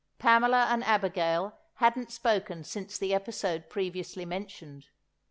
Pamela and Abigail hadn't spoken since the episode previously mentioned.